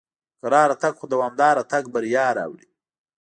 په کراره تګ خو دوامدار تګ بریا راوړي.